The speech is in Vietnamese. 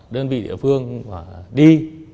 đơn vị địa phương và đi